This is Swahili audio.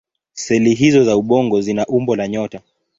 Seli hizO za ubongo zina umbo la nyota.